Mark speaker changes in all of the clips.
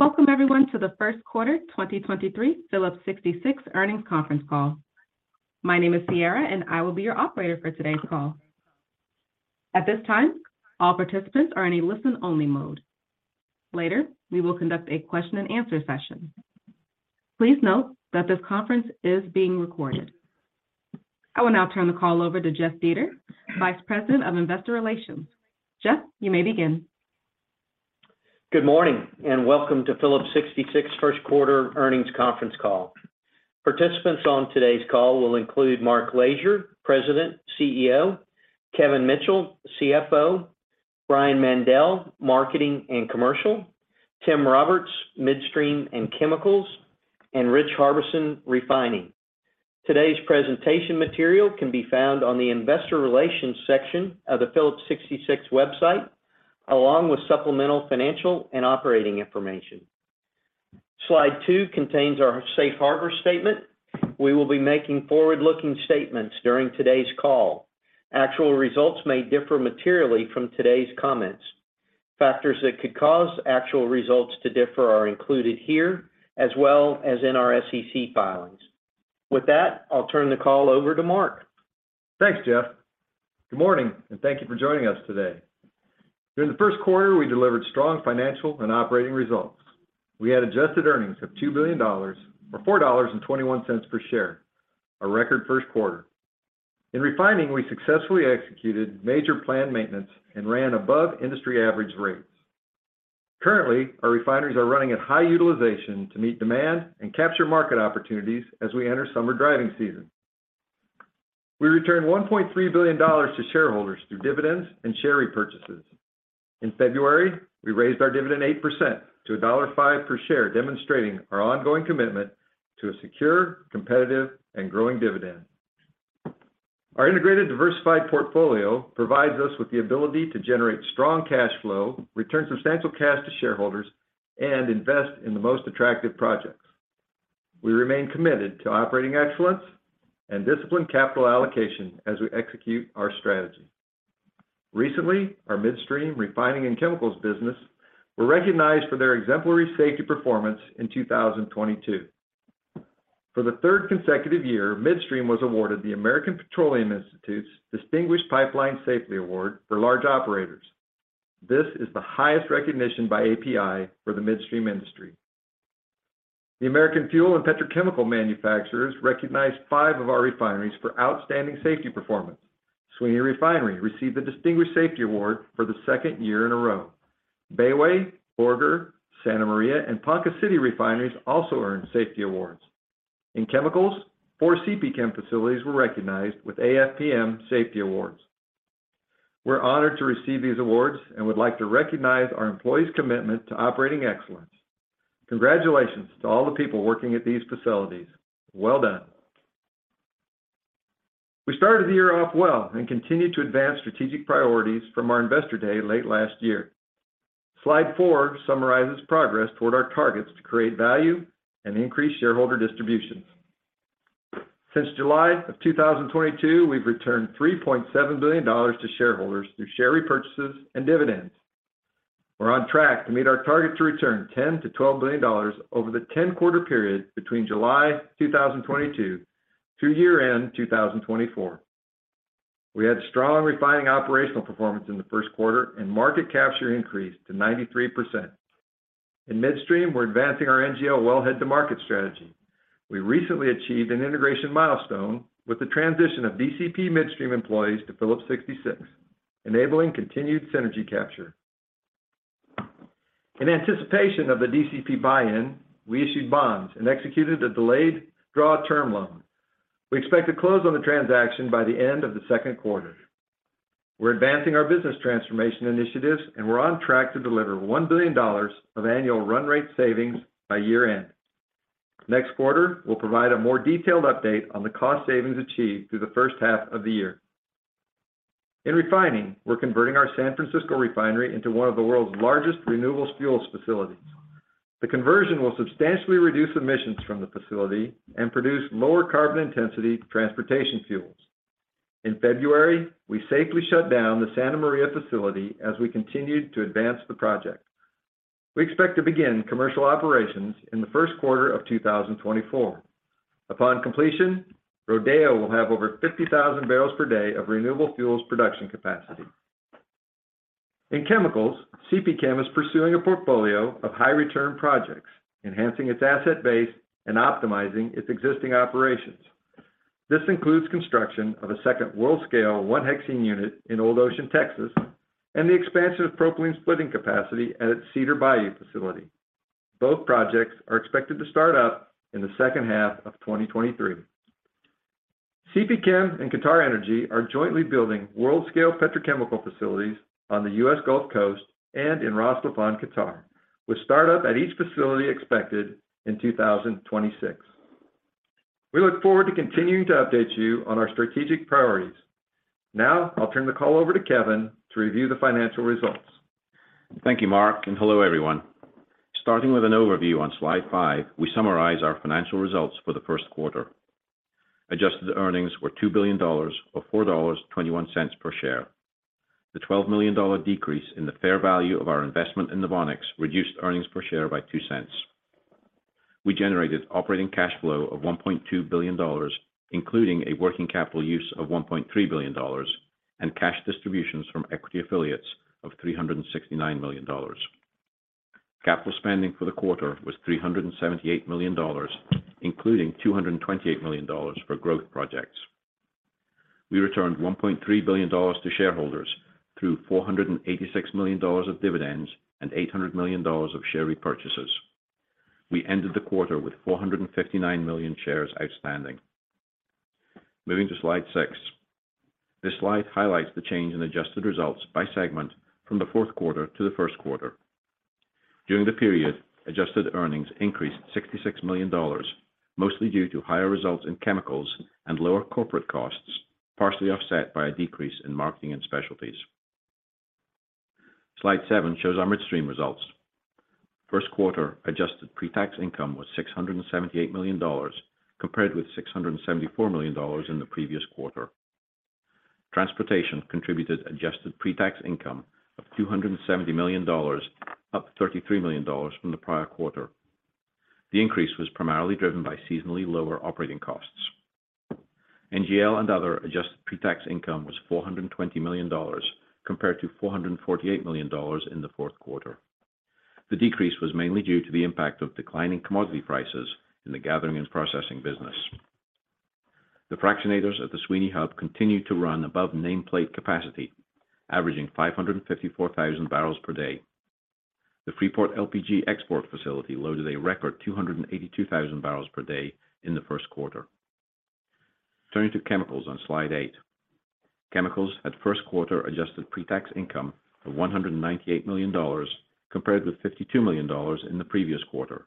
Speaker 1: Welcome everyone to the first quarter 2023 Phillips 66 earnings conference call. My name is Sierra, and I will be your operator for today's call. At this time, all participants are in a listen only mode. Later, we will conduct a question and answer session. Please note that this conference is being recorded. I will now turn the call over to Jeff Dietert, Vice President of Investor Relations. Jeff, you may begin.
Speaker 2: Good morning, and welcome to Phillips 66 first quarter earnings conference call. Participants on today's call will include Mark Lashier, President, CEO, Kevin Mitchell, CFO, Brian Mandell, Marketing and Commercial, Tim Roberts, Midstream and Chemicals, and Rich Harbison, Refining. Today's presentation material can be found on the investor relations section of the Phillips 66 website, along with supplemental financial and operating information. Slide two contains our safe harbor statement. We will be making forward-looking statements during today's call. Actual results may differ materially from today's comments. Factors that could cause actual results to differ are included here, as well as in our SEC filings. With that, I'll turn the call over to Mark.
Speaker 3: Thanks, Jeff. Good morning. Thank you for joining us today. During the first quarter, we delivered strong financial and operating results. We had adjusted earnings of $2 billion or $4.21 per share, a record first quarter. In refining, we successfully executed major planned maintenance and ran above industry average rates. Currently, our refineries are running at high utilization to meet demand and capture market opportunities as we enter summer driving season. We returned $1.3 billion to shareholders through dividends and share repurchases. In February, we raised our dividend 8% to $1.05 per share, demonstrating our ongoing commitment to a secure, competitive, and growing dividend. Our integrated diversified portfolio provides us with the ability to generate strong cash flow, return substantial cash to shareholders, and invest in the most attractive projects. We remain committed to operating excellence and disciplined capital allocation as we execute our strategy. Recently, our midstream refining and chemicals business were recognized for their exemplary safety performance in 2022. For the third consecutive year, Midstream was awarded the American Petroleum Institute's Distinguished Pipeline Safety Award for large operators. This is the highest recognition by API for the midstream industry. The American Fuel and Petrochemical Manufacturers recognized five of our refineries for outstanding safety performance. Sweeny Refinery received the Distinguished Safety Award for the second year in a row. Bayway, Borger, Santa Maria, and Ponca City Refineries also earned safety awards. In chemicals, four CPChem facilities were recognized with AFPM Safety Awards. We're honored to receive these awards and would like to recognize our employees' commitment to operating excellence. Congratulations to all the people working at these facilities. Well done. We started the year off well and continued to advance strategic priorities from our Investor Day late last year. Slide four summarizes progress toward our targets to create value and increase shareholder distributions. Since July 2022, we've returned $3.7 billion to shareholders through share repurchases and dividends. We're on track to meet our target to return $10 billion-$12 billion over the 10-quarter period between July 2022 to year-end 2024. We had strong refining operational performance in the first quarter, and market capture increased to 93%. In Midstream, we're advancing our NGL well head to market strategy. We recently achieved an integration milestone with the transition of DCP Midstream employees to Phillips 66, enabling continued synergy capture. In anticipation of the DCP buy-in, we issued bonds and executed a delayed draw term loan. We expect to close on the transaction by the end of the second quarter. We're advancing our business transformation initiatives, and we're on track to deliver $1 billion of annual run rate savings by year-end. Next quarter, we'll provide a more detailed update on the cost savings achieved through the first half of the year. In refining, we're converting our San Francisco Refinery into one of the world's largest renewable fuels facilities. The conversion will substantially reduce emissions from the facility and produce lower carbon intensity transportation fuels. In February, we safely shut down the Santa Maria facility as we continued to advance the project. We expect to begin commercial operations in the first quarter of 2024. Upon completion, Rodeo will have over 50,000 barrels per day of renewable fuels production capacity. In chemicals, CPChem is pursuing a portfolio of high return projects, enhancing its asset base and optimizing its existing operations. This includes construction of a second world-scale 1-hexene unit in Old Ocean, Texas, and the expansion of propylene splitting capacity at its Cedar Bayou facility. Both projects are expected to start up in the second half of 2023. CPChem and QatarEnergy are jointly building world-scale petrochemical facilities on the U.S. Gulf Coast and in Ras Laffan, Qatar, with startup at each facility expected in 2026. We look forward to continuing to update you on our strategic priorities. Now, I'll turn the call over to Kevin to review the financial results.
Speaker 4: Thank you, Mark, and hello, everyone. Starting with an overview on slide five, we summarize our financial results for the first quarter Adjusted earnings were $2 billion or $4.21 per share. The $12 million decrease in the fair value of our investment in NOVONIX reduced earnings per share by $0.02. We generated operating cash flow of $1.2 billion, including a working capital use of $1.3 billion and cash distributions from equity affiliates of $369 million. Capital spending for the quarter was $378 million, including $228 million for growth projects. We returned $1.3 billion to shareholders through $486 million of dividends and $800 million of share repurchases. We ended the quarter with 459 million shares outstanding. Moving to slide 6. This slide highlights the change in adjusted results by segment from the fourth quarter to the first quarter. During the period, adjusted earnings increased $66 million, mostly due to higher results in chemicals and lower corporate costs, partially offset by a decrease in marketing and specialties. Slide seven shows our Midstream results. First quarter adjusted pre-tax income was $678 million, compared with $674 million in the previous quarter. Transportation contributed adjusted pre-tax income of $270 million, up $33 million from the prior quarter. The increase was primarily driven by seasonally lower operating costs. NGL and other adjusted pre-tax income was $420 million compared to $448 million in the fourth quarter. The decrease was mainly due to the impact of declining commodity prices in the gathering and processing business. The fractionators at the Sweeny Hub continued to run above nameplate capacity, averaging 554,000 barrels per day. The Freeport LPG export facility loaded a record 282,000 barrels per day in the first quarter. Turning to chemicals on slide eight. Chemicals had first quarter adjusted pre-tax income of $198 million compared with $52 million in the previous quarter.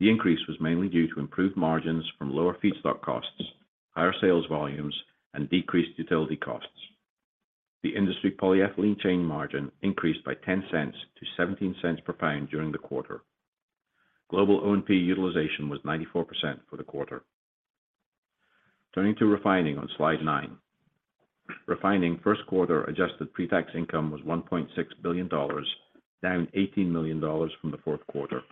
Speaker 4: The increase was mainly due to improved margins from lower feedstock costs, higher sales volumes and decreased utility costs. The industry polyethylene chain margin increased by $0.10-$0.17 per pound during the quarter. Global O&P utilization was 94% for the quarter. Turning to refining on slide nine. Refining first quarter adjusted pre-tax income was $1.6 billion, down $18 million from the fourth quarter.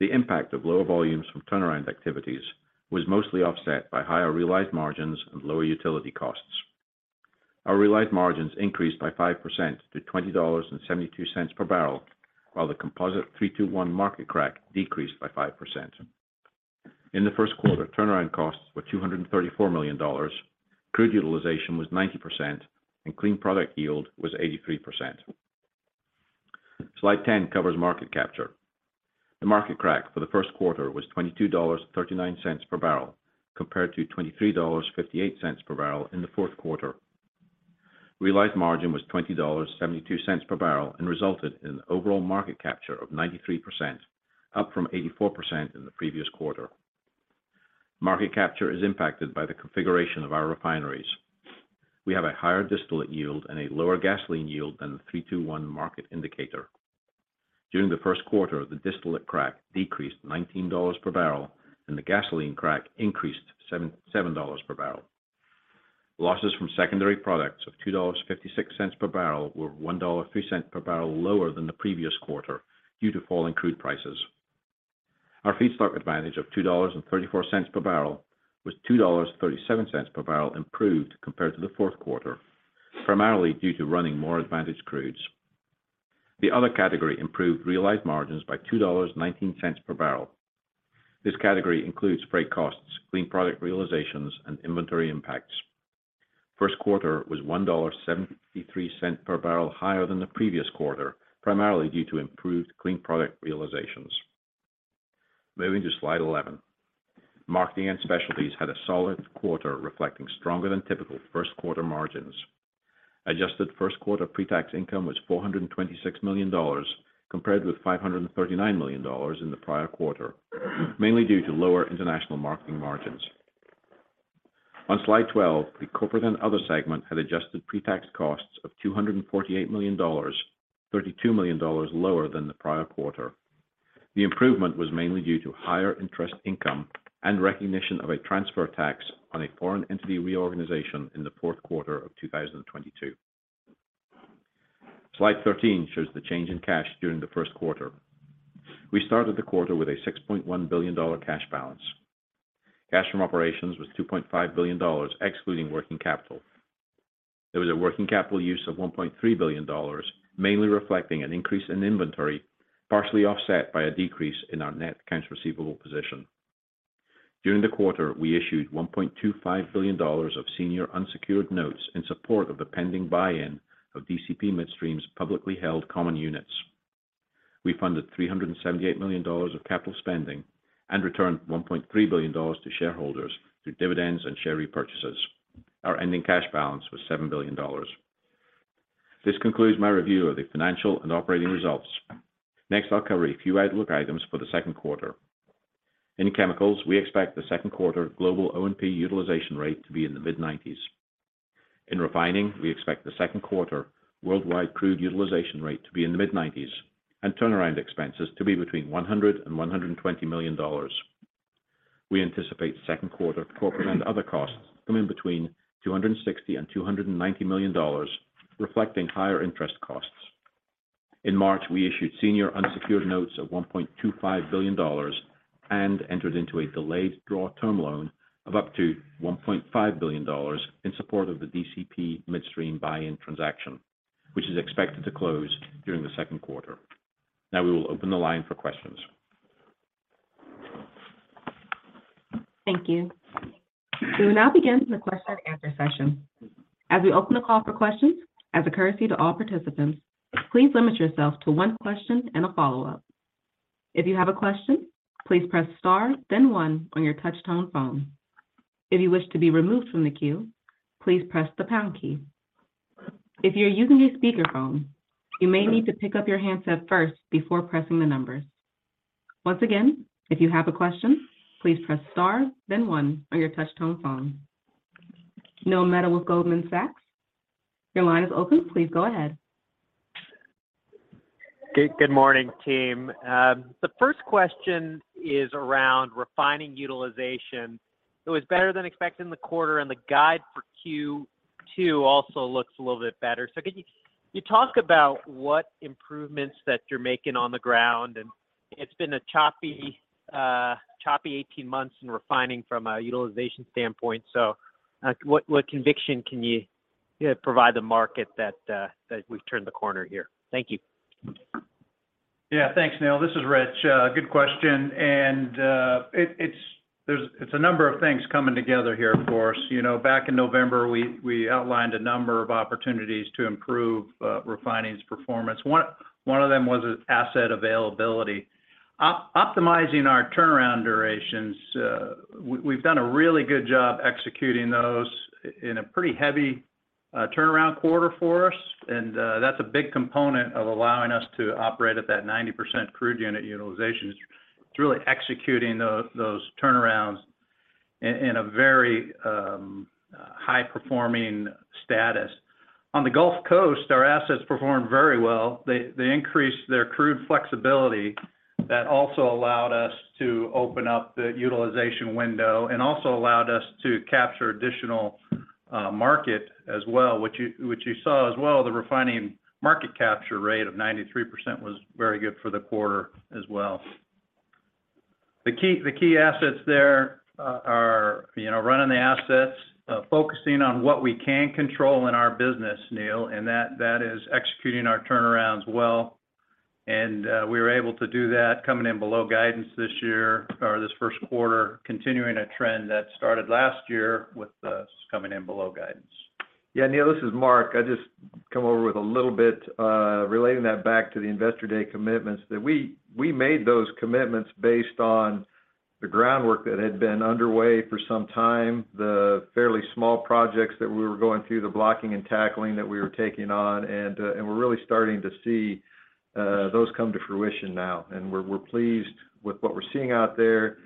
Speaker 4: The impact of lower volumes from turnaround activities was mostly offset by higher realized margins and lower utility costs. Our realized margins increased by 5% to $20.72 per barrel, while the composite 3-2-1 market crack decreased by 5%. In the first quarter, turnaround costs were $234 million, crude utilization was 90%, and clean product yield was 83%. Slide 10 covers market capture. The market crack for the first quarter was $22.39 per barrel, compared to $23.58 per barrel in the fourth quarter. Realized margin was $20.72 per barrel and resulted in an overall market capture of 93%, up from 84% in the previous quarter. Market capture is impacted by the configuration of our refineries. We have a higher distillate yield and a lower gasoline yield than the 3-2-1 market indicator. During the first quarter, the distillate crack decreased $19 per barrel and the gasoline crack increased $7 per barrel. Losses from secondary products of $2.56 per barrel were $1.03 per barrel lower than the previous quarter due to falling crude prices. Our feedstock advantage of $2.34 per barrel was $2.37 per barrel improved compared to the fourth quarter, primarily due to running more advantaged crudes. The other category improved realized margins by $2.19 per barrel. This category includes freight costs, clean product realizations and inventory impacts. First quarter was $1.73 per barrel higher than the previous quarter, primarily due to improved clean product realizations. Moving to slide 11. Marketing and specialties had a solid quarter reflecting stronger than typical first quarter margins. Adjusted first quarter pre-tax income was $426 million compared with $539 million in the prior quarter, mainly due to lower international marketing margins. On slide 12, the corporate and other segment had adjusted pre-tax costs of $248 million, $32 million lower than the prior quarter. The improvement was mainly due to higher interest income and recognition of a transfer tax on a foreign entity reorganization in the fourth quarter of 2022. Slide 13 shows the change in cash during the first quarter. We started the quarter with a $6.1 billion cash balance. Cash from operations was $2.5 billion, excluding working capital. There was a working capital use of $1.3 billion, mainly reflecting an increase in inventory, partially offset by a decrease in our net accounts receivable position. During the quarter, we issued $1.25 billion of senior unsecured notes in support of the pending buy-in of DCP Midstream's publicly held common units. We funded $378 million of capital spending and returned $1.3 billion to shareholders through dividends and share repurchases. Our ending cash balance was $7 billion. This concludes my review of the financial and operating results. Next, I'll cover a few outlook items for the second quarter. In chemicals, we expect the second quarter global O&P utilization rate to be in the mid-nineties. In refining, we expect the second quarter worldwide crude utilization rate to be in the mid-nineties and turnaround expenses to be between $100 million and $120 million. We anticipate second quarter corporate and other costs coming between $260 million and $290 million, reflecting higher interest costs. In March, we issued senior unsecured notes of $1.25 billion and entered into a delayed draw term loan of up to $1.5 billion in support of the DCP Midstream buy-in transaction, which is expected to close during the second quarter. We will open the line for questions.
Speaker 1: Thank you. We will now begin the question-and-answer session. As we open the call for questions, as a courtesy to all participants, please limit yourself to one question and a follow-up. If you have a question, please press star then one on your touch-tone phone. If you wish to be removed from the queue, please press the pound key. If you're using a speakerphone, you may need to pick up your handset first before pressing the numbers. Once again, if you have a question, please press star then one on your touch-tone phone. Neil Mehta with Goldman Sachs, your line is open. Please go ahead.
Speaker 5: Good morning, team. The first question is around refining utilization. It was better than expected in the quarter, and the guide for Q2 also looks a little bit better. Could you talk about what improvements that you're making on the ground? It's been a choppy 18 months in refining from a utilization standpoint. What conviction can you provide the market that we've turned the corner here? Thank you.
Speaker 6: Yeah. Thanks, Neil. This is Rich. Good question. It's a number of things coming together here for us. You know, back in November, we outlined a number of opportunities to improve refining's performance. One of them was asset availability. Optimizing our turnaround durations, we've done a really good job executing those in a pretty heavy turnaround quarter for us. That's a big component of allowing us to operate at that 90% crude unit utilization. It's really executing those turnarounds in a very high-performing status. On the Gulf Coast, our assets performed very well. They increased their crude flexibility that also allowed us to open up the utilization window and also allowed us to capture additional market as well, which you saw as well, the refining market capture rate of 93% was very good for the quarter as well. The key assets there are, you know, running the assets, focusing on what we can control in our business, Neil, and that is executing our turnarounds well. We were able to do that coming in below guidance this year or this first quarter, continuing a trend that started last year with us coming in below guidance.
Speaker 3: Yeah. Neil, this is Mark. I just come over with a little bit, relating that back to the Investor Day commitments that we made those commitments based on the groundwork that had been underway for some time, the fairly small projects that we were going through, the blocking and tackling that we were taking on. We're really starting to see those come to fruition now. We're pleased with what we're seeing out there.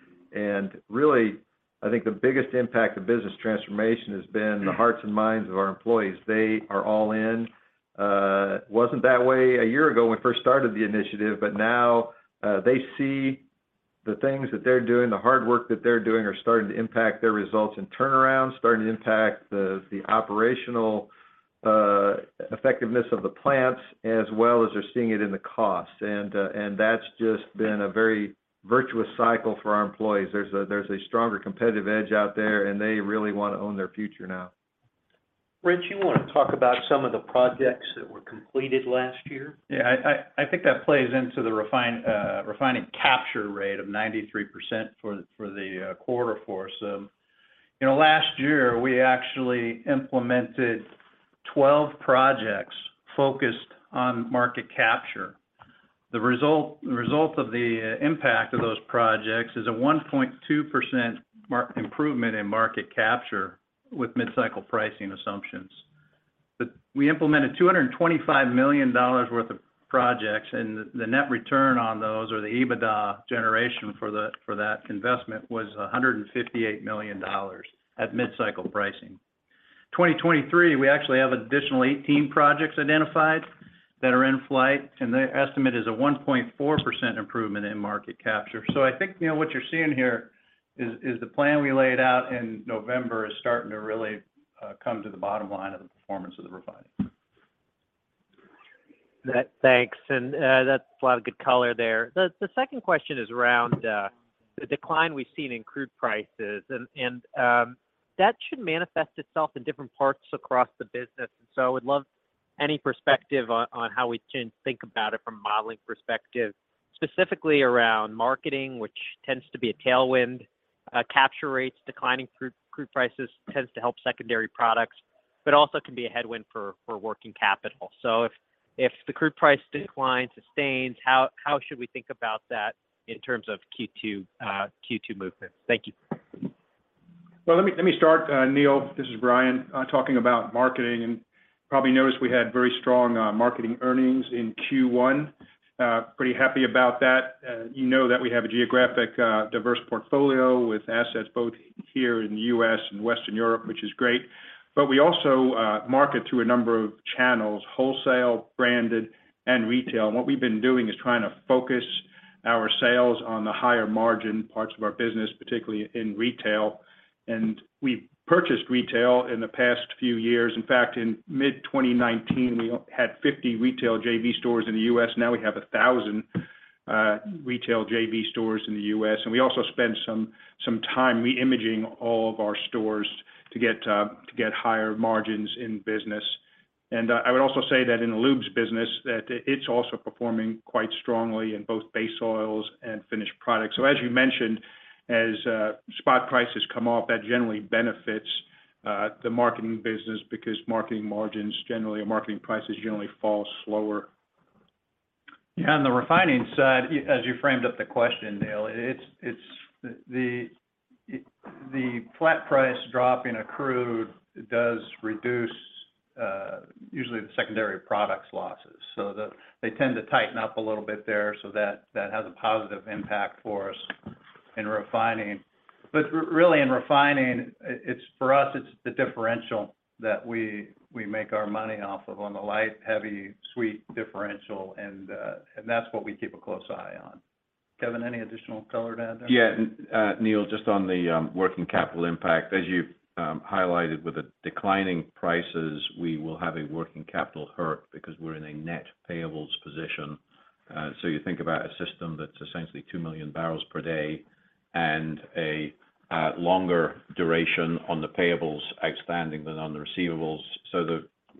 Speaker 3: Really, I think the biggest impact of business transformation has been the hearts and minds of our employees. They are all in. It wasn't that way a year ago when we first started the initiative, but now, they see the things that they're doing, the hard work that they're doing are starting to impact their results and turnarounds, starting to impact the operational effectiveness of the plants as well as they're seeing it in the costs. That's just been a very virtuous cycle for our employees. There's a, there's a stronger competitive edge out there, and they really wanna own their future now.
Speaker 4: Rich, you wanna talk about some of the projects that were completed last year?
Speaker 6: Yeah. I think that plays into the refining capture rate of 93% for the quarter for us. You know, last year, we actually implemented 12 projects focused on market capture. The result of the impact of those projects is a 1.2% improvement in market capture with mid-cycle pricing assumptions. We implemented $225 million worth of projects. The net return on those or the EBITDA generation for that investment was $158 million at mid-cycle pricing. 2023, we actually have an additional 18 projects identified that are in flight. The estimate is a 1.4% improvement in market capture. I think, Neil, what you're seeing here is the plan we laid out in November is starting to really come to the bottom line of the performance of the refining.
Speaker 5: Thanks. That's a lot of good color there. The second question is around the decline we've seen in crude prices. That should manifest itself in different parts across the business. I would love any perspective on how we can think about it from a modeling perspective, specifically around marketing, which tends to be a tailwind. Capture rates, declining crude prices tends to help secondary products, but also can be a headwind for working capital. If the crude price decline sustains, how should we think about that in terms of Q2 movements? Thank you.
Speaker 7: Well, let me start, Neil. This is Brian, talking about Marketing and Probably noticed we had very strong marketing earnings in Q1. Pretty happy about that. You know that we have a geographic, diverse portfolio with assets both here in the U.S. and Western Europe, which is great. We also market through a number of channels, wholesale, branded and retail. What we've been doing is trying to focus our sales on the higher margin parts of our business, particularly in retail. We purchased retail in the past few years. In fact, in mid-2019, we had 50 retail JV stores in the U.S., now we have 1,000 retail JV stores in the U.S. We also spent some time re-imaging all of our stores to get higher margins in business. I would also say that in the lubes business that it's also performing quite strongly in both base oils and finished products. As you mentioned, as spot prices come off, that generally benefits the marketing business because marketing margins generally or marketing prices generally fall slower.
Speaker 3: Yeah, on the refining side, as you framed up the question, Neil, it's the flat price drop in a crude does reduce, usually the secondary products losses. They tend to tighten up a little bit there, so that has a positive impact for us in refining. Really in refining, it's for us, it's the differential that we make our money off of on the light, heavy, sweet differential and, that's what we keep a close eye on. Kevin, any additional color to add there?
Speaker 4: Neil, just on the working capital impact, as you highlighted with the declining prices, we will have a working capital hurt because we're in a net payables position. You think about a system that's essentially 2 million barrels per day and a longer duration on the payables outstanding than on the receivables.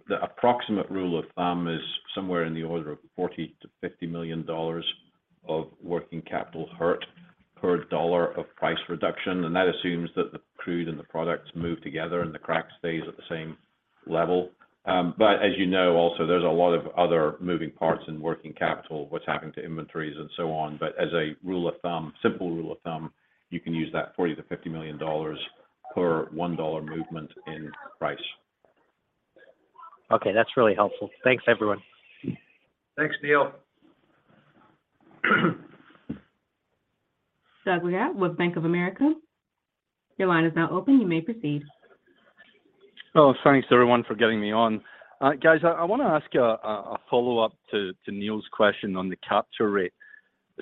Speaker 4: The approximate rule of thumb is somewhere in the order of $40 million-$50 million of working capital hurt per $1 of price reduction. That assumes that the crude and the products move together and the crack stays at the same level. As you know also, there's a lot of other moving parts in working capital, what's happening to inventories and so on. As a rule of thumb, simple rule of thumb, you can use that $40 million-$50 million per $1 movement in price.
Speaker 5: Okay, that's really helpful. Thanks, everyone.
Speaker 3: Thanks, Neil.
Speaker 1: Doug Leggate with Bank of America. Your line is now open. You may proceed.
Speaker 8: Thanks everyone for getting me on. Guys, I wanna ask a follow-up to Neil's question on the capture rate.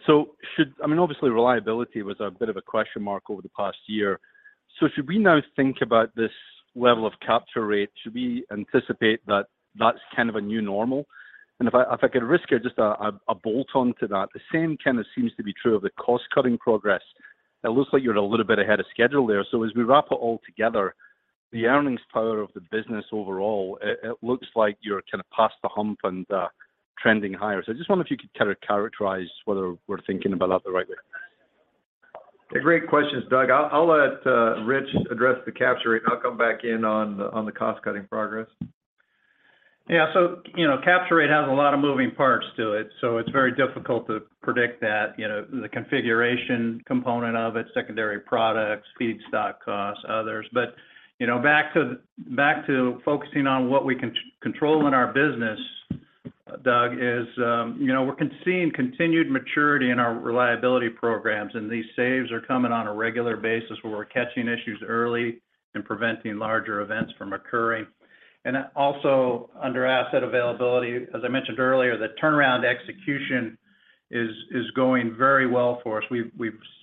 Speaker 8: I mean, obviously reliability was a bit of a question mark over the past year. Should we now think about this level of capture rate? Should we anticipate that that's kind of a new normal? If I could risk just a bolt on to that, the same kind of seems to be true of the cost-cutting progress. It looks like you're a little bit ahead of schedule there. As we wrap it all together, the earnings power of the business overall, it looks like you're kind of past the hump and trending higher. I just wonder if you could kind of characterize whether we're thinking about that the right way.
Speaker 3: Great questions, Doug. I'll let Rich address the capture rate. I'll come back in on the cost-cutting progress.
Speaker 6: You know, capture rate has a lot of moving parts to it, so it's very difficult to predict that, you know, the configuration component of it, secondary products, feedstock costs, others. You know, back to focusing on what we control in our business, Doug, is, you know, we're seeing continued maturity in our reliability programs, and these saves are coming on a regular basis where we're catching issues early and preventing larger events from occurring. Also under asset availability, as I mentioned earlier, the turnaround execution is going very well for us. We've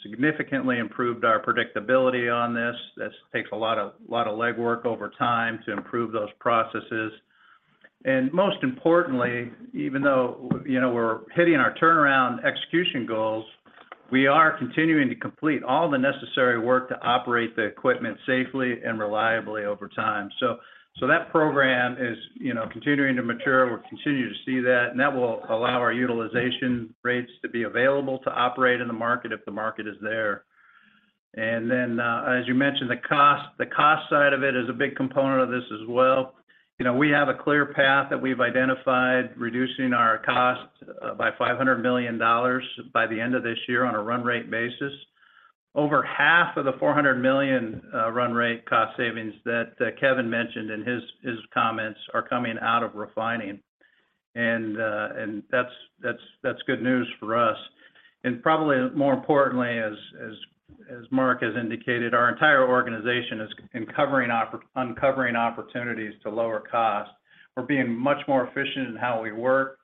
Speaker 6: significantly improved our predictability on this. This takes a lot of legwork over time to improve those processes. Most importantly, even though, you know, we're hitting our turnaround execution goals, we are continuing to complete all the necessary work to operate the equipment safely and reliably over time. That program is, you know, continuing to mature. We'll continue to see that, and that will allow our utilization rates to be available to operate in the market if the market is there. Then, as you mentioned, the cost side of it is a big component of this as well. You know, we have a clear path that we've identified reducing our costs by $500 million by the end of this year on a run rate basis. Over half of the $400 million run rate cost savings that Kevin mentioned in his comments are coming out of refining. That's good news for us. Probably more importantly, as Mark has indicated, our entire organization is uncovering opportunities to lower costs. We're being much more efficient in how we work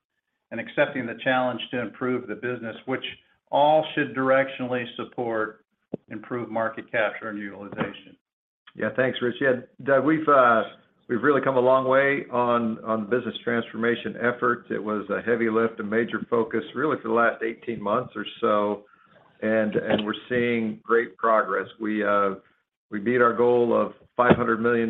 Speaker 6: and accepting the challenge to improve the business, which all should directionally support improved market capture and utilization.
Speaker 3: Thanks, Rich. Doug, we've really come a long way on the business transformation effort. It was a heavy lift, a major focus really for the last 18 months or so, and we're seeing great progress. We beat our goal of $500 million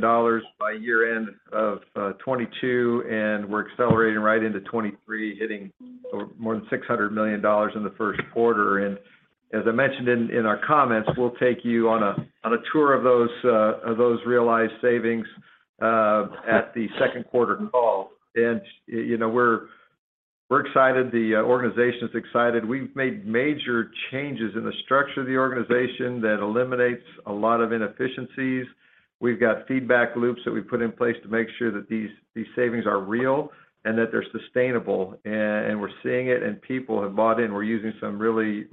Speaker 3: by year-end of 2022, and we're accelerating right into 2023, hitting over more than $600 million in the first quarter. As I mentioned in our comments, we'll take you on a tour of those realized savings at the second quarter call. You know, We're excited. The organization's excited. We've made major changes in the structure of the organization that eliminates a lot of inefficiencies. We've got feedback loops that we've put in place to make sure that these savings are real and that they're sustainable. And we're seeing it, and people have bought in. We're using some really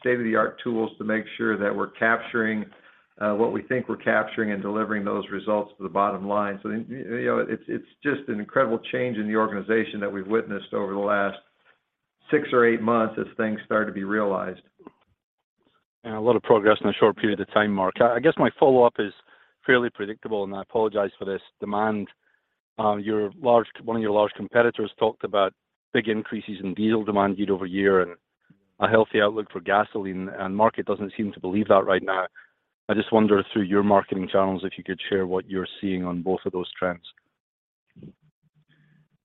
Speaker 3: state-of-the-art tools to make sure that we're capturing what we think we're capturing and delivering those results to the bottom line. You know, it's just an incredible change in the organization that we've witnessed over the last six or eight months as things start to be realized.
Speaker 8: Yeah. A lot of progress in a short period of time, Mark. I guess my follow-up is fairly predictable, and I apologize for this. Demand, one of your large competitors talked about big increases in diesel demand year-over-year and a healthy outlook for gasoline, and market doesn't seem to believe that right now. I just wonder through your marketing channels if you could share what you're seeing on both of those trends.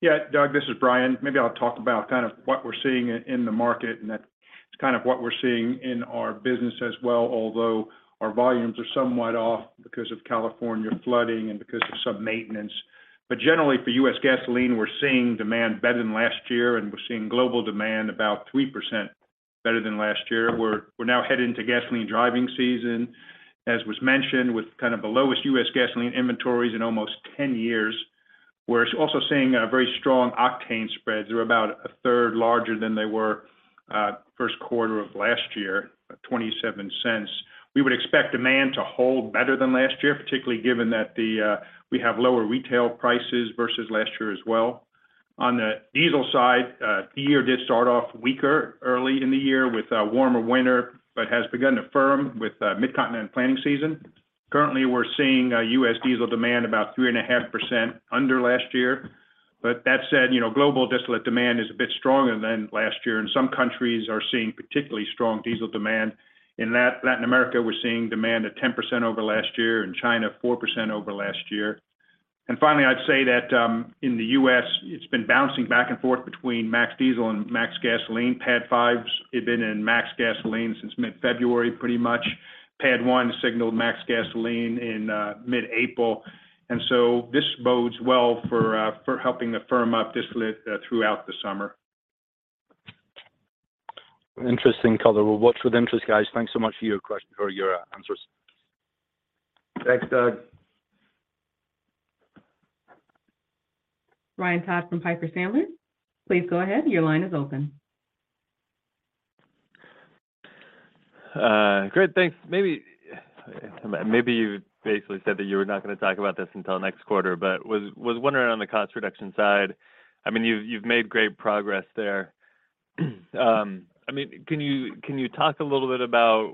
Speaker 7: Yeah. Doug, this is Brian. Maybe I'll talk about kind of what we're seeing in the market and that it's kind of what we're seeing in our business as well, although our volumes are somewhat off because of California flooding and because of some maintenance. Generally for U.S. gasoline, we're seeing demand better than last year, and we're seeing global demand about 3% better than last year. We're now heading to gasoline driving season, as was mentioned, with kind of the lowest U.S. gasoline inventories in almost 10 years. We're also seeing very strong octane spreads. They're about a third larger than they were first quarter of last year, at $0.27. We would expect demand to hold better than last year, particularly given that we have lower retail prices versus last year as well. On the diesel side, the year did start off weaker early in the year with a warmer winter, but has begun to firm with Midcontinent planning season. Currently, we're seeing U.S. diesel demand about 3.5% under last year. That said, you know, global distillate demand is a bit stronger than last year, and some countries are seeing particularly strong diesel demand. In Latin America, we're seeing demand at 10% over last year, in China, 4% over last year. Finally, I'd say that, in the U.S. it's been bouncing back and forth between max diesel and max gasoline. PADDs have been in max gasoline since mid-February, pretty much. PADD 1 signaled max gasoline in mid-April. This bodes well for helping to firm up distillate throughout the summer.
Speaker 8: Interesting color. We'll watch with interest, guys. Thanks so much for your answers.
Speaker 3: Thanks, Doug.
Speaker 1: Ryan Todd from Piper Sandler, please go ahead. Your line is open.
Speaker 9: Great. Thanks. Maybe, maybe you basically said that you were not gonna talk about this until next quarter, but was wondering on the cost reduction side. I mean, you've made great progress there. I mean, can you talk a little bit about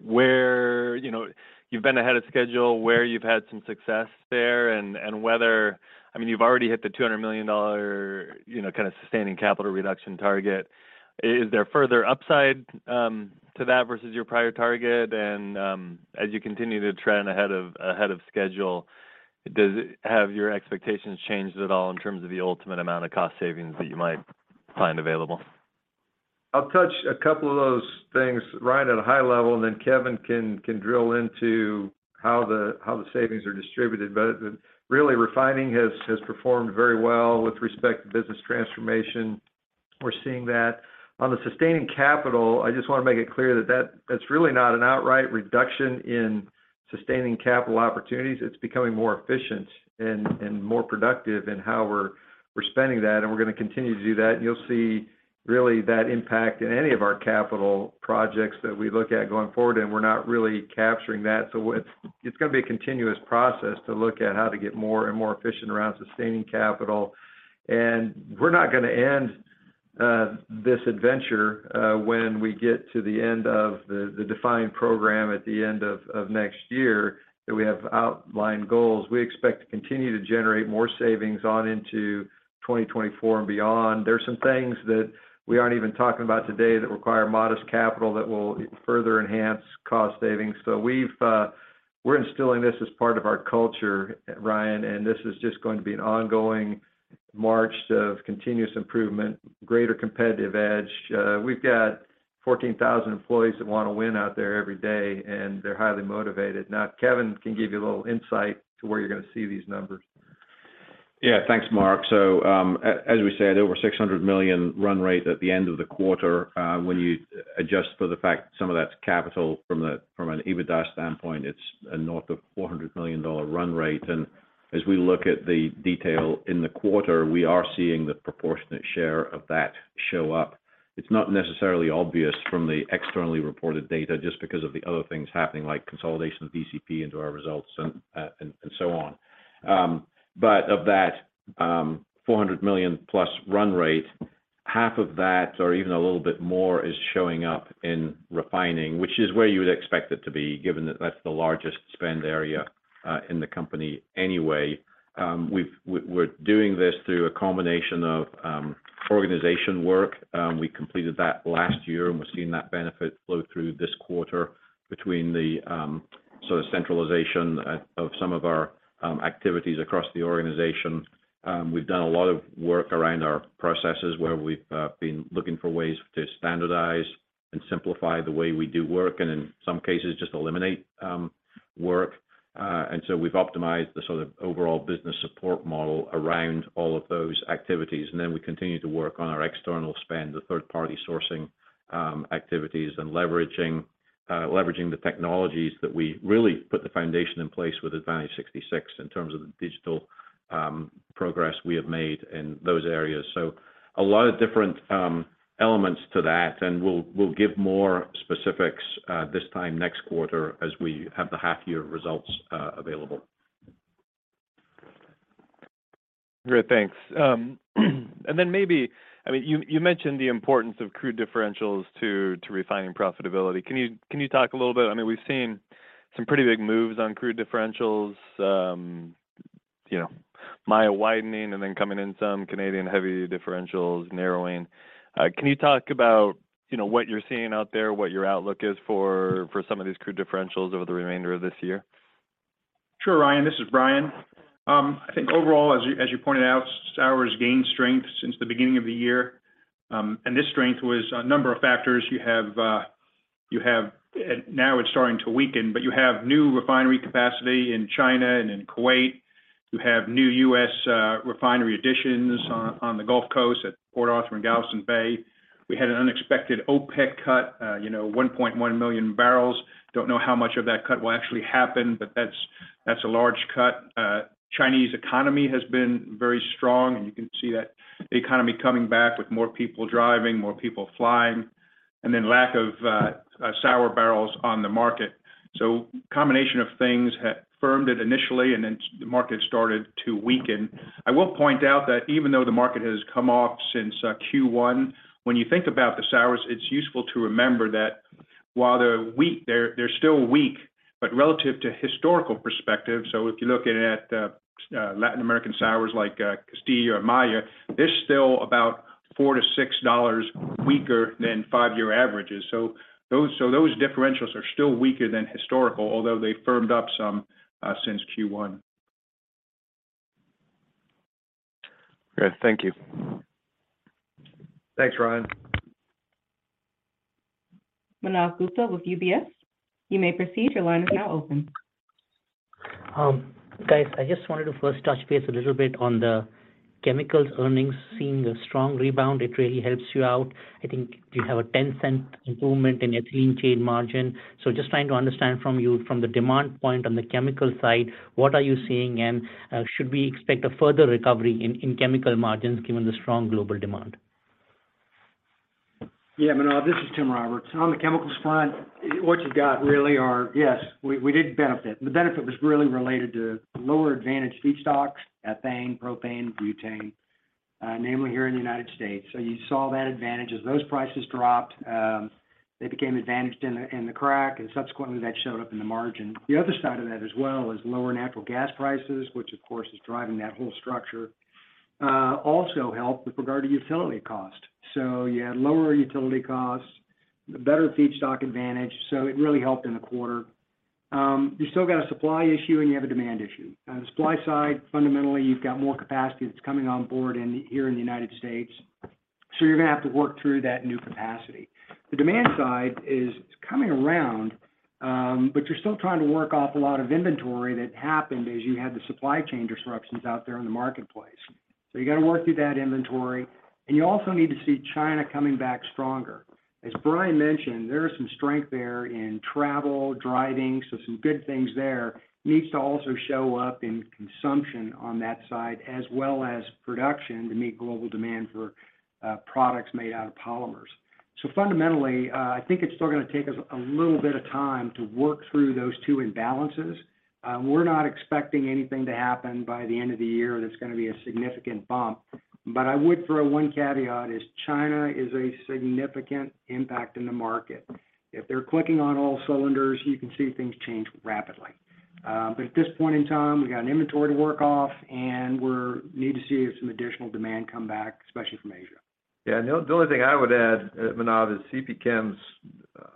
Speaker 9: where, you know, you've been ahead of schedule, where you've had some success there and I mean, you've already hit the $200 million, you know, kind of sustaining capital reduction target. Is there further upside to that versus your prior target? As you continue to trend ahead of schedule, have your expectations changed at all in terms of the ultimate amount of cost savings that you might find available?
Speaker 3: I'll touch a couple of those things, Ryan, at a high level, and then Kevin can drill into how the savings are distributed. Really refining has performed very well with respect to business transformation. We're seeing that. On the sustaining capital, I just wanna make it clear that that's really not an outright reduction in sustaining capital opportunities. It's becoming more efficient and more productive in how we're spending that, and we're gonna continue to do that. You'll see really that impact in any of our capital projects that we look at going forward, and we're not really capturing that. It's gonna be a continuous process to look at how to get more and more efficient around sustaining capital. We're not gonna end this adventure when we get to the end of the defined program at the end of next year, that we have outlined goals. We expect to continue to generate more savings on into 2024 and beyond. There's some things that we aren't even talking about today that require modest capital that will further enhance cost savings. We've we're instilling this as part of our culture, Ryan, and this is just going to be an ongoing march of continuous improvement, greater competitive edge. We've got 14,000 employees that wanna win out there every day, and they're highly motivated. Kevin can give you a little insight to where you're gonna see these numbers.
Speaker 4: Yeah. Thanks, Mark. As we said, over $600 million run rate at the end of the quarter. When you adjust for the fact some of that's capital from an EBITDA standpoint, it's north of $400 million run rate. As we look at the detail in the quarter, we are seeing the proportionate share of that show up. It's not necessarily obvious from the externally reported data just because of the other things happening, like consolidation of DCP into our results and so on. Of that, $400+ million run rate, half of that or even a little bit more is showing up in refining, which is where you would expect it to be, given that that's the largest spend area in the company anyway. We're doing this through a combination of organization work. We completed that last year. We're seeing that benefit flow through this quarter between the sort of centralization of some of our activities across the organization. We've done a lot of work around our processes where we've been looking for ways to standardize Simplify the way we do work, and in some cases, just eliminate work. We've optimized the sort of overall business support model around all of those activities. We continue to work on our external spend, the third-party sourcing activities and leveraging leveraging the technologies that we really put the foundation in place with Advantage 66 in terms of the digital progress we have made in those areas. A lot of different elements to that, and we'll give more specifics this time next quarter as we have the half year results available.
Speaker 9: Great. Thanks. I mean, you mentioned the importance of crude differentials to refining profitability. Can you talk a little bit? I mean, we've seen some pretty big moves on crude differentials. You know, Maya widening and then coming in some Canadian heavy differentials narrowing. Can you talk about, you know, what you're seeing out there, what your outlook is for some of these crude differentials over the remainder of this year?
Speaker 7: Sure, Ryan. This is Brian. I think overall, as you pointed out, sours gained strength since the beginning of the year. This strength was a number of factors. You have new refinery capacity in China and in Kuwait. You have new U.S. refinery additions on the Gulf Coast at Port Arthur and Galveston Bay. We had an unexpected OPEC cut, you know, 1.1 million barrels. Don't know how much of that cut will actually happen, but that's a large cut. Chinese economy has been very strong, and you can see that economy coming back with more people driving, more people flying, and then lack of sour barrels on the market. Combination of things firmed it initially, and then the market started to weaken. I will point out that even though the market has come off since Q1, when you think about the sours, it's useful to remember that while they're weak, they're still weak, but relative to historical perspective. If you're looking at Latin American sours like Castilla or Maya, they're still about $4-$6 weaker than five-year averages. Those differentials are still weaker than historical, although they firmed up some since Q1.
Speaker 9: Great. Thank you.
Speaker 7: Thanks, Ryan.
Speaker 1: Manav Gupta with UBS. You may proceed. Your line is now open.
Speaker 10: Guys, I just wanted to first touch base a little bit on the chemicals earnings seeing a strong rebound. It really helps you out. I think you have a $0.10 improvement in your chain margin. Just trying to understand from you from the demand point on the chemical side, what are you seeing and should we expect a further recovery in chemical margins given the strong global demand?
Speaker 11: Manav, this is Tim Roberts. On the chemicals front, what you've got really are, yes, we did benefit. The benefit was really related to lower advantage feedstocks, ethane, propane, butane, namely here in the United States. You saw that advantage. As those prices dropped, they became advantaged in the crack, and subsequently, that showed up in the margin. The other side of that as well is lower natural gas prices, which of course is driving that whole structure, also helped with regard to utility cost. You had lower utility costs, the better feedstock advantage, so it really helped in the quarter. You still got a supply issue and you have a demand issue. On the supply side, fundamentally, you've got more capacity that's coming on board here in the United States, so you're gonna have to work through that new capacity. The demand side is coming around, but you're still trying to work off a lot of inventory that happened as you had the supply chain disruptions out there in the marketplace. You got to work through that inventory, and you also need to see China coming back stronger. As Brian mentioned, there is some strength there in travel, driving, so some good things there. Needs to also show up in consumption on that side as well as production to meet global demand for products made out of polymers. Fundamentally, I think it's still gonna take us a little bit of time to work through those two imbalances. We're not expecting anything to happen by the end of the year, that's gonna be a significant bump. I would throw one caveat is China is a significant impact in the market. If they're clicking on all cylinders, you can see things change rapidly. At this point in time, we got an inventory to work off, and we need to see some additional demand come back, especially from Asia.
Speaker 3: Yeah. The only thing I would add, Manav, is CPChem's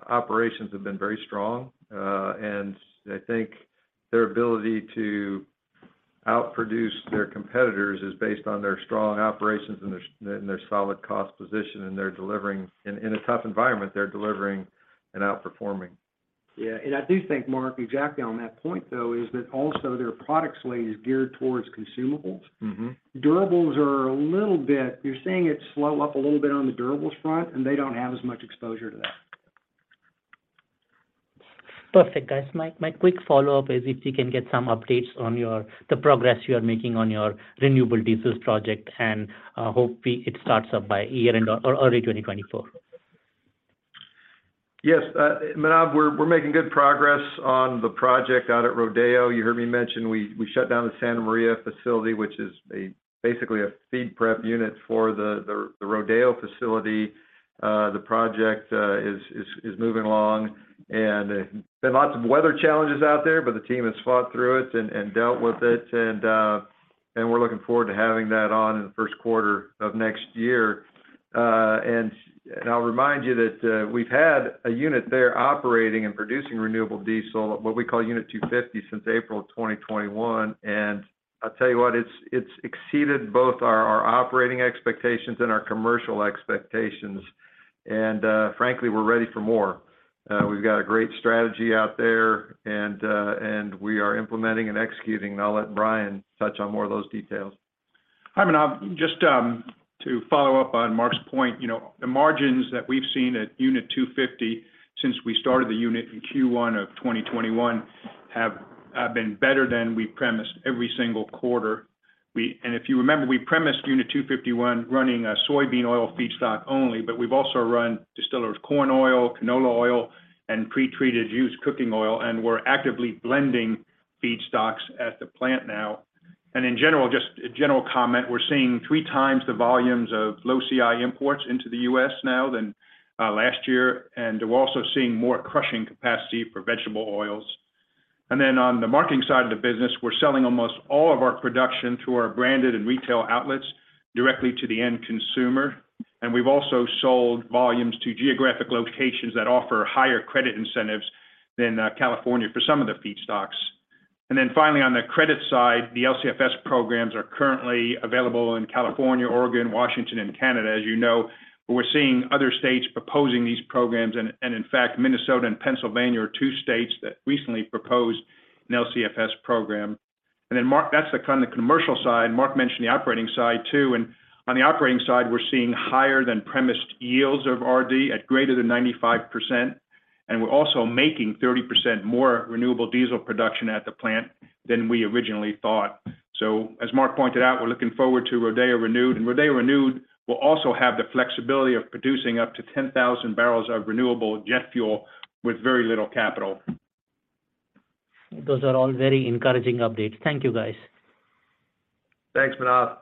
Speaker 3: operations have been very strong. I think their ability to outproduce their competitors is based on their strong operations and their solid cost position, and they're delivering. In a tough environment, they're delivering and outperforming.
Speaker 11: Yeah. I do think, Mark, exactly on that point, though, is that also their product slate is geared towards consumables.
Speaker 3: Mm-hmm.
Speaker 11: You're seeing it slow up a little bit on the durables front. They don't have as much exposure to that.
Speaker 10: Perfect, guys. My quick follow-up is if we can get some updates on the progress you are making on your renewable diesels project, and hope it starts up by year-end or early 2024.
Speaker 3: Yes. Manav, we're making good progress on the project out at Rodeo. You heard me mention we shut down the Santa Maria facility, which is basically a feed prep unit for the Rodeo facility. The project is moving along. There's been lots of weather challenges out there, but the team has fought through it and dealt with it. We're looking forward to having that on in the first quarter of next year. I'll remind you that we've had a unit there operating and producing renewable diesel, what we call Unit 250, since April 2021. I'll tell you what, it's exceeded both our operating expectations and our commercial expectations. frankly, we're ready for more. We've got a great strategy out there and we are implementing and executing, and I'll let Brian touch on more of those details.
Speaker 7: Hi, Manav. Just, to follow up on Mark's point, you know, the margins that we've seen at Unit 250 since we started the unit in Q1 of 2021 have been better than we premised every single quarter. If you remember, we premised Unit 251 running a soybean oil feedstock only, but we've also run distillers' corn oil, canola oil, and pretreated used cooking oil, and we're actively blending feedstocks at the plant now. In general, just a general comment, we're seeing 3x the volumes of low CI imports into the U.S. now than last year, and we're also seeing more crushing capacity for vegetable oils. On the marketing side of the business, we're selling almost all of our production through our branded and retail outlets directly to the end consumer. We've also sold volumes to geographic locations that offer higher credit incentives than California for some of the feedstocks. Finally, on the credit side, the LCFS programs are currently available in California, Oregon, Washington, and Canada, as you know, but we're seeing other states proposing these programs. In fact, Minnesota and Pennsylvania are two states that recently proposed an LCFS program. That's the kind of commercial side. Mark mentioned the operating side too. On the operating side, we're seeing higher than premised yields of RD at greater than 95%. We're also making 30% more renewable diesel production at the plant than we originally thought. As Mark pointed out, we're looking forward to Rodeo Renewed, and Rodeo Renewed will also have the flexibility of producing up to 10,000 barrels of renewable jet fuel with very little capital.
Speaker 10: Those are all very encouraging updates. Thank you, guys.
Speaker 3: Thanks, Manav.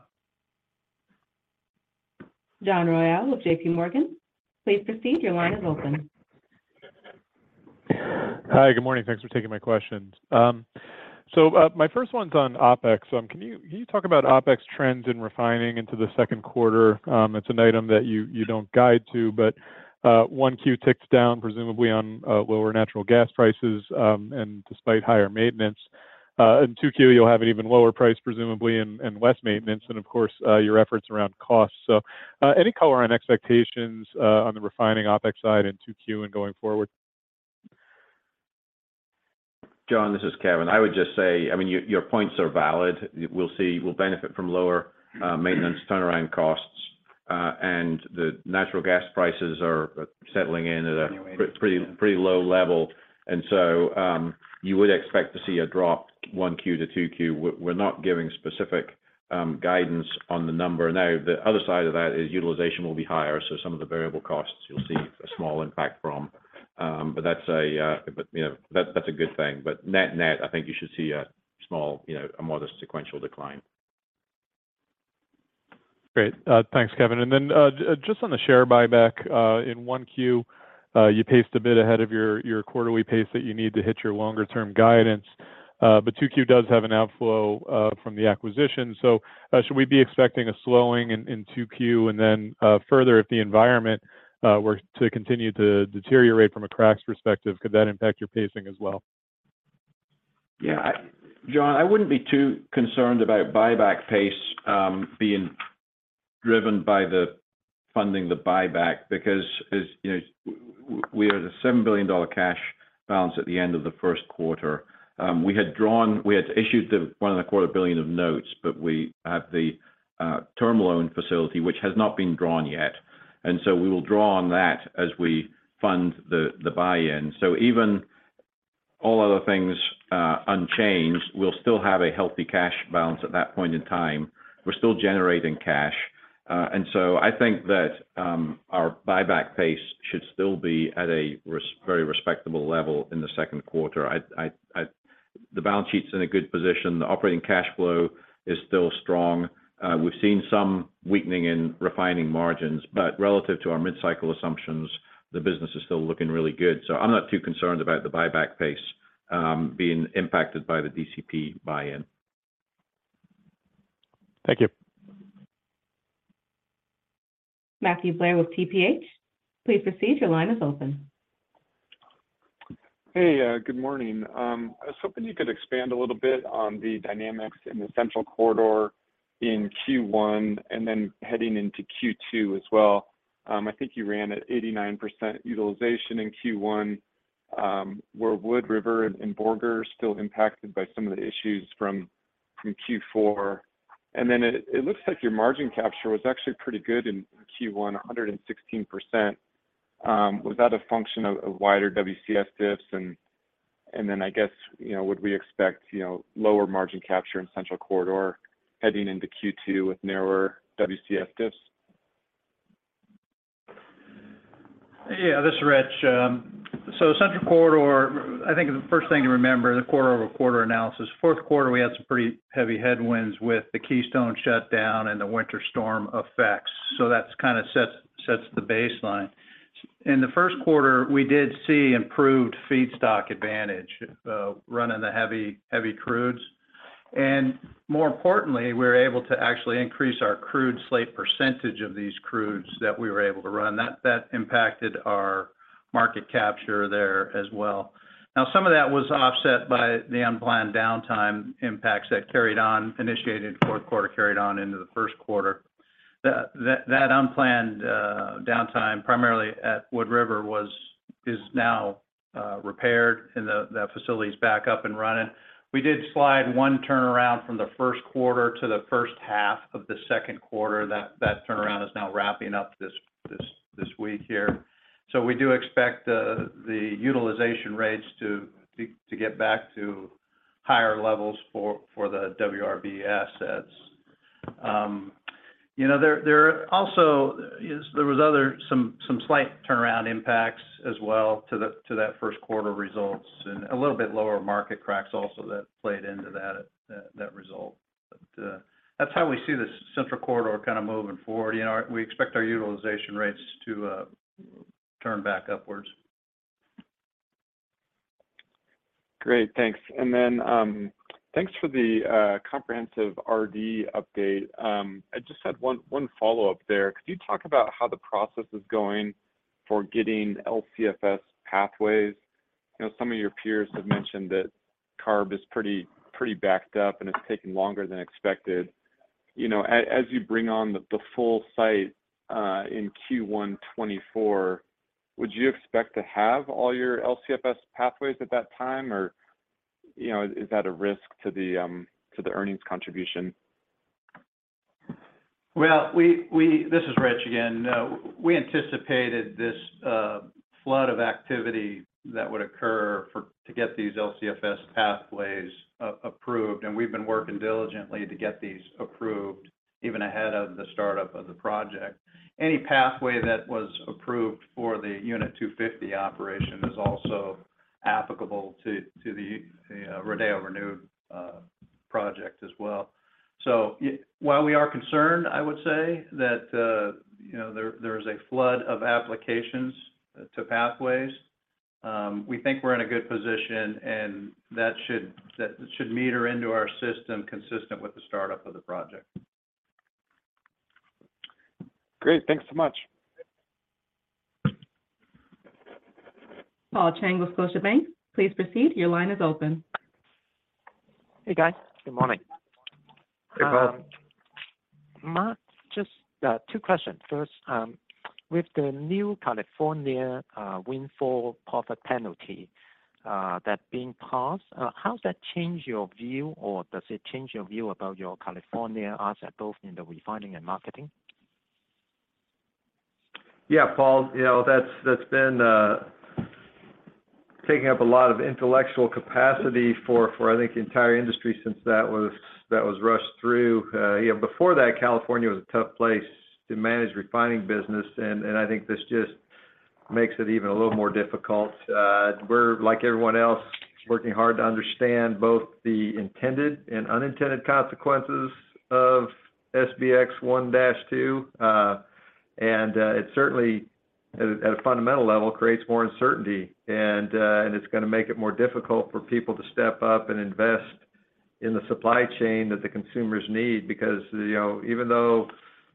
Speaker 1: John Royall of J.P. Morgan, please proceed. Your line is open.
Speaker 12: Hi. Good morning. Thanks for taking my questions. My first one's on OpEx. Can you talk about OpEx trends in refining into the second quarter? It's an item that you don't guide to, but 1Q ticks down, presumably on lower natural gas prices, and despite higher maintenance. In 2Q, you'll have an even lower price, presumably, and less maintenance, and of course, your efforts around cost. Any color on expectations on the refining OpEx side in 2Q and going forward?
Speaker 4: John, this is Kevin. I would just say, I mean, your points are valid. We'll benefit from lower maintenance turnaround costs, and the natural gas prices are settling in at a pretty low level. So you would expect to see a drop 1Q to 2Q. We're not giving specific guidance on the number. The other side of that is utilization will be higher, so some of the variable costs you'll see a small impact from. That's a, you know, good thing. Net-net, I think you should see a small, you know, a modest sequential decline.
Speaker 12: Great. Thanks, Kevin. Just on the share buyback, in 1Q, you paced a bit ahead of your quarterly pace that you need to hit your longer-term guidance. 2Q does have an outflow from the acquisition. Should we be expecting a slowing in 2Q, and then further if the environment were to continue to deteriorate from a cracks perspective, could that impact your pacing as well?
Speaker 4: Yeah. John, I wouldn't be too concerned about buyback pace being driven by the funding the buyback because as you know, we are at a $7 billion cash balance at the end of the first quarter. We had issued the $1 and a quarter billion of notes, but we have the term loan facility which has not been drawn yet. We will draw on that as we fund the buy-in. Even all other things unchanged, we'll still have a healthy cash balance at that point in time. We're still generating cash. I think that our buyback pace should still be at a very respectable level in the second quarter. The balance sheet's in a good position. The operating cash flow is still strong. We've seen some weakening in refining margins, relative to our mid-cycle assumptions, the business is still looking really good. I'm not too concerned about the buyback pace, being impacted by the DCP buy-in.
Speaker 12: Thank you.
Speaker 1: Matthew Blair with TPH, please proceed. Your line is open.
Speaker 13: Good morning. I was hoping you could expand a little bit on the dynamics in the Central Corridor in Q1 and then heading into Q2 as well. I think you ran at 89% utilization in Q1, were Wood River and Borger still impacted by some of the issues from Q4. Then it looks like your margin capture was actually pretty good in Q1, 116%. Was that a function of wider WCS diffs? Then I guess, you know, would we expect, you know, lower margin capture in the Central Corridor heading into Q2 with narrower WCS diffs?
Speaker 6: This is Rich. Central Corridor, I think the first thing to remember is the quarter-over-quarter analysis. Fourth quarter, we had some pretty heavy headwinds with the Keystone shutdown and the winter storm effects. That's kind of sets the baseline. In the first quarter, we did see improved feedstock advantage, running the heavy crudes. More importantly, we were able to actually increase our crude slate percentage of these crudes that we were able to run. That impacted our Market capture there as well. Some of that was offset by the unplanned downtime impacts that initiated fourth quarter, carried on into the 1st quarter. That unplanned downtime, primarily at Wood River is now repaired and that facility is back up and running. We did slide one turnaround from the 1st quarter to the 1st half of the 2nd quarter. That turnaround is now wrapping up this week here. We do expect the utilization rates to get back to higher levels for the WRB assets. you know, there was other some slight turnaround impacts as well to that 1st quarter results and a little bit lower market cracks also that played into that result. That's how we see this central corridor kind of moving forward. You know, we expect our utilization rates to turn back upwards.
Speaker 13: Great. Thanks. Thanks for the comprehensive RD update. I just had one follow-up there. Could you talk about how the process is going for getting LCFS pathways? You know, some of your peers have mentioned that CARB is pretty backed up, and it's taking longer than expected. You know, as you bring on the full site, in Q1 2024, would you expect to have all your LCFS pathways at that time? Or, you know, is that a risk to the earnings contribution?
Speaker 6: This is Rich again. We anticipated this flood of activity that would occur to get these LCFS pathways approved. We've been working diligently to get these approved even ahead of the startup of the project. Any pathway that was approved for the Unit 250 operation is also applicable to the Rodeo Renewed project as well. While we are concerned, I would say, that, you know, there is a flood of applications to pathways, we think we're in a good position. That should meter into our system consistent with the startup of the project.
Speaker 13: Great. Thanks so much.
Speaker 1: Paul Cheng with Scotiabank. Please proceed. Your line is open.
Speaker 14: Hey, guys. Good morning.
Speaker 3: Hey, Paul.
Speaker 14: Mark, just, two questions. First, with the new California windfall profit penalty that being passed, how does that change your view or does it change your view about your California asset both in the refining and marketing?
Speaker 3: Yeah, Paul, you know, that's been taking up a lot of intellectual capacity for I think the entire industry since that was rushed through. You know, before that, California was a tough place to manage refining business, and I think this just makes it even a little more difficult. We're, like everyone else, working hard to understand both the intended and unintended consequences of SBX1-2. It certainly at a fundamental level creates more uncertainty, and it's gonna make it more difficult for people to step up and invest in the supply chain that the consumers need. You know, even though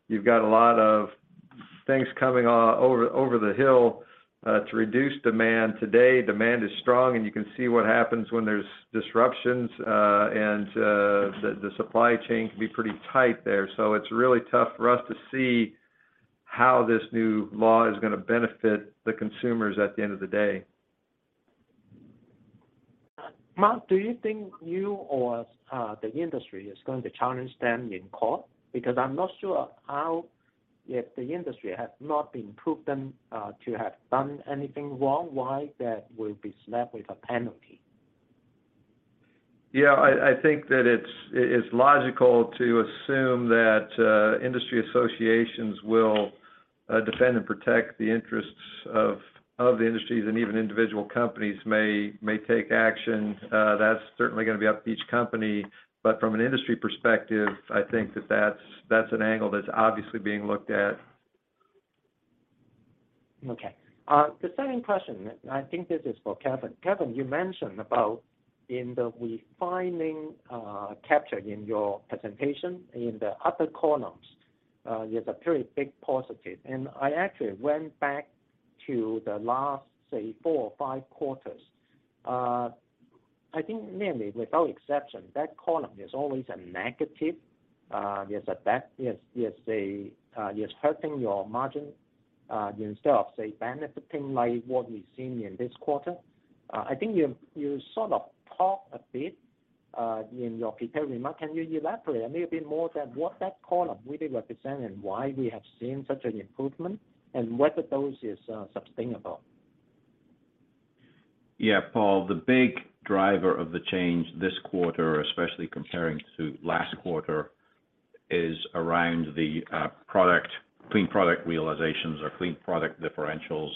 Speaker 3: you've got a lot of things coming over the hill to reduce demand today, demand is strong and you can see what happens when there's disruptions, and the supply chain can be pretty tight there. It's really tough for us to see how this new law is gonna benefit the consumers at the end of the day.
Speaker 14: Mark, do you think you or the industry is going to challenge them in court? I'm not sure how if the industry has not been proven to have done anything wrong, why that will be slapped with a penalty.
Speaker 3: I think that it is logical to assume that industry associations will defend and protect the interests of the industries and even individual companies may take action. That's certainly gonna be up to each company. From an industry perspective, I think that that's an angle that's obviously being looked at.
Speaker 14: Okay. The second question, I think this is for Kevin. Kevin, you mentioned about in the refining capture in your presentation, in the upper columns, there's a very big positive. I actually went back to the last, say, four or five quarters. I think nearly without exception, that column is always a negative. There's hurting your margin, instead of, say, benefiting like what we've seen in this quarter. I think you sort of talked a bit in your prepared remarks. Can you elaborate a little bit more than what that column really represent and why we have seen such an improvement and whether those is sustainable?
Speaker 4: Yeah, Paul, the big driver of the change this quarter, especially comparing to last quarter, is around the clean product realizations or clean product differentials.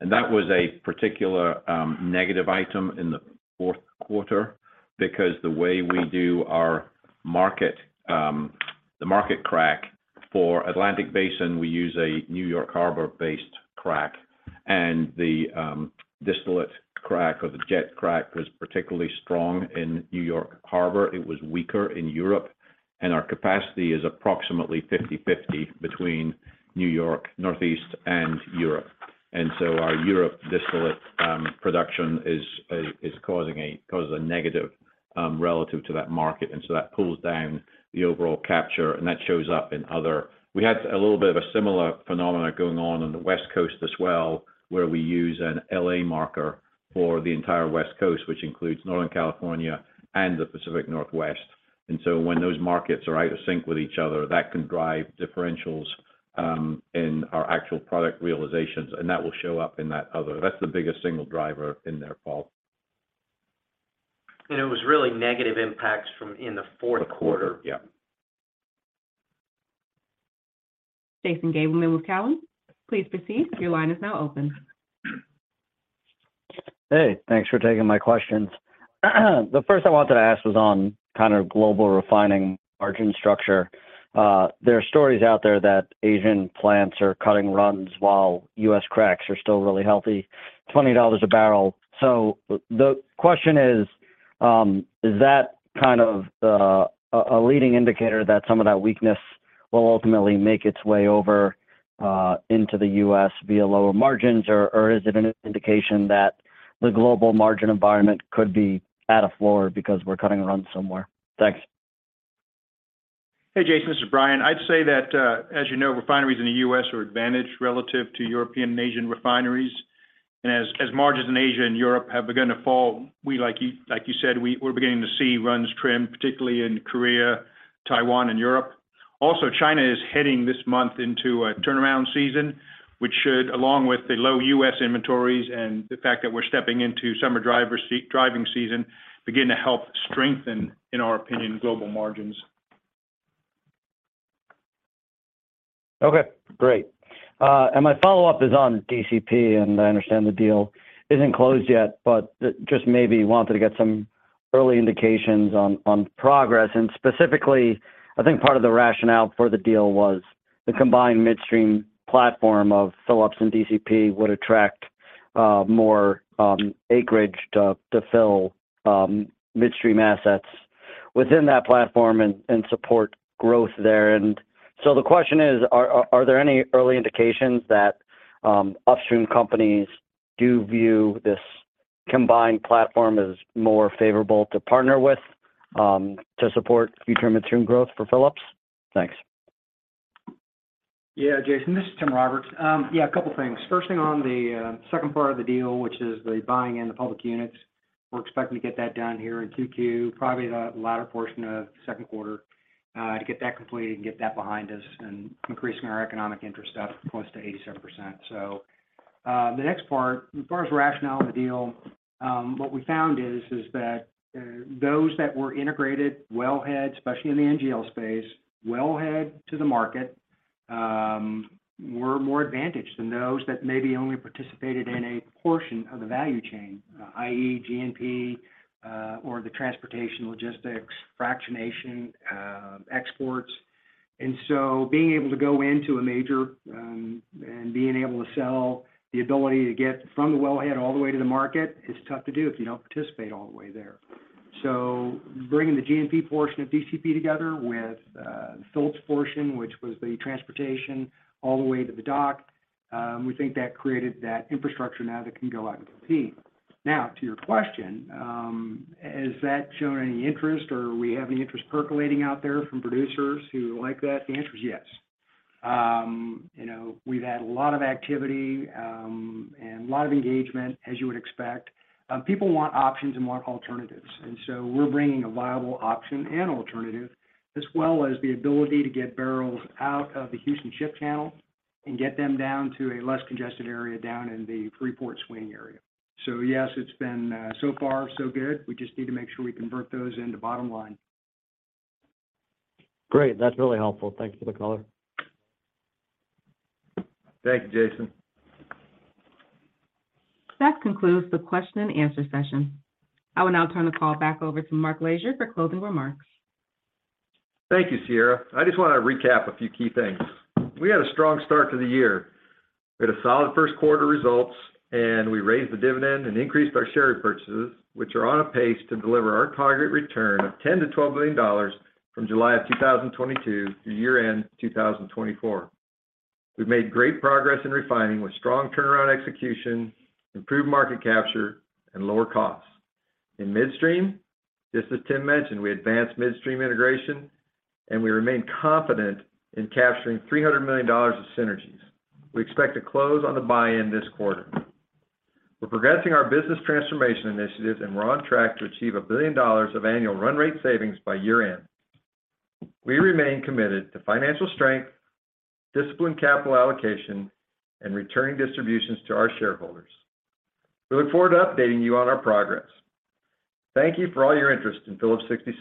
Speaker 4: That was a particular negative item in the fourth quarter because the way we do our market, the market crack for Atlantic Basin, we use a New York Harbor-based crack. The distillate crack or the jet crack was particularly strong in New York Harbor. It was weaker in Europe. Our capacity is approximately 50/50 between New York, Northeast, and Europe. Our Europe distillate production is causing a negative relative to that market. That pulls down the overall capture, and that shows up in other, we had a little bit of a similar phenomena going on on the West Coast as well, where we use an L.A. marker for the entire West Coast, which includes Northern California and the Pacific Northwest. When those markets are out of sync with each other, that can drive differentials in our actual product realizations, and that will show up in that other. That's the biggest single driver in their fault.
Speaker 7: It was really negative impacts from in the fourth quarter.
Speaker 3: The quarter, yeah.
Speaker 1: Jason Gabelman with Cowen, please proceed, your line is now open.
Speaker 15: Hey, thanks for taking my questions. The first I wanted to ask was on kind of global refining margin structure. There are stories out there that Asian plants are cutting runs while U.S. cracks are still really healthy, $20 a barrel. The question is that a leading indicator that some of that weakness will ultimately make its way over into the U.S. via lower margins? Or, or is it an indication that the global margin environment could be at a floor because we're cutting runs somewhere? Thanks.
Speaker 7: Hey, Jason, this is Brian. I'd say that, as you know, refineries in the U.S. are advantaged relative to European and Asian refineries. As margins in Asia and Europe have begun to fall, we, like you, like you said, we're beginning to see runs trim, particularly in Korea, Taiwan and Europe. Also, China is heading this month into a turnaround season, which should, along with the low U.S. inventories and the fact that we're stepping into summer driving season, begin to help strengthen, in our opinion, global margins.
Speaker 15: Okay, great. My follow-up is on DCP, and I understand the deal isn't closed yet, but just maybe wanted to get some early indications on progress. Specifically, I think part of the rationale for the deal was the combined midstream platform of Phillips and DCP would attract more acreage to fill midstream assets within that platform and support growth there. The question is, are there any early indications that upstream companies do view this combined platform as more favorable to partner with to support future midstream growth for Phillips? Thanks.
Speaker 11: Jason, this is Tim Roberts. Yeah, a couple of things. First thing on the second part of the deal, which is the buying in the public units. We're expecting to get that done here in Q2, probably the latter portion of the second quarter, to get that completed and get that behind us and increasing our economic interest up close to 87%. The next part, as far as rationale of the deal, what we found is that those that were integrated well ahead, especially in the NGL space, well ahead to the market, were more advantaged than those that maybe only participated in a portion of the value chain, i.e. G&P, or the transportation logistics, fractionation, exports. Being able to go into a major, and being able to sell the ability to get from the wellhead all the way to the market is tough to do if you don't participate all the way there. Bringing the G&P portion of DCP together with Phillips portion, which was the transportation all the way to the dock, we think that created that infrastructure now that can go out and compete. To your question, is that showing any interest or are we having any interest percolating out there from producers who like that? The answer is yes. You know, we've had a lot of activity, and a lot of engagement, as you would expect. People want options and want alternatives, and so we're bringing a viable option and alternative, as well as the ability to get barrels out of the Houston Ship Channel and get them down to a less congested area down in the Freeport swing area. Yes, it's been, so far, so good. We just need to make sure we convert those into bottom line.
Speaker 15: Great. That's really helpful. Thank you for the color.
Speaker 3: Thank you, Jason.
Speaker 1: That concludes the question and answer session. I will now turn the call back over to Mark Lashier for closing remarks.
Speaker 3: Thank you, Sierra. I just wanna recap a few key things. We had a strong start to the year. We had a solid first quarter results, and we raised the dividend and increased our share purchases, which are on a pace to deliver our target return of $10 billion-$12 billion from July of 2022 through year-end 2024. We've made great progress in refining with strong turnaround execution, improved market capture and lower costs. In midstream, just as Tim mentioned, we advanced midstream integration and we remain confident in capturing $300 million of synergies. We expect to close on the buy-in this quarter. We're progressing our business transformation initiatives, and we're on track to achieve $1 billion of annual run rate savings by year-end. We remain committed to financial strength, disciplined capital allocation, and returning distributions to our shareholders. We look forward to updating you on our progress. Thank you for all your interest in Phillips 66.